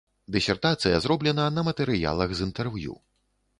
Дысертацыя зроблена на матэрыялах з інтэрв'ю.